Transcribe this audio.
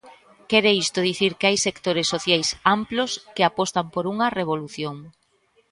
Quere isto dicir que hai sectores sociais amplos que apostan por unha revolución?